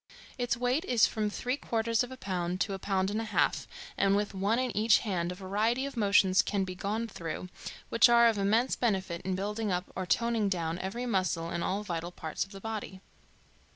Its weight is from three quarters of a pound to a pound and a half, and with one in each hand a variety of motions can be gone through, which are of immense benefit in building up or toning down every muscle and all vital parts of the body.